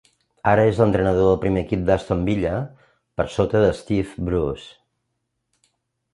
Ara és l'entrenador del primer equip d'Aston Villa per sota de Steve Bruce.